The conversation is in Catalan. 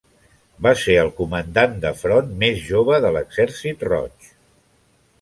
Va ser el comandant de front més jove de l'Exèrcit Roig.